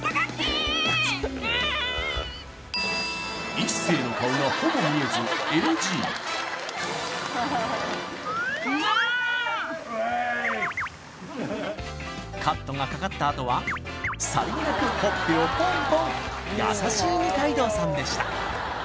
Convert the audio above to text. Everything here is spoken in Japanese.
壱成の顔がほぼ見えずＮＧカットがかかったあとはさりげなくほっぺをポンポン優しい二階堂さんでした